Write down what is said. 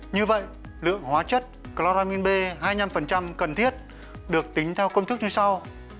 như vậy lượng hóa chất chloramin b hai mươi năm cần thiết được tính theo công thức như sau